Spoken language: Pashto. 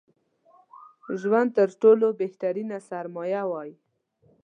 ژوند تر ټولو بهترينه سرمايه وای